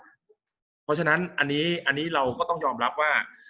เพราะฉะนั้นอันนี้เราก็ต้องยอมรับว่า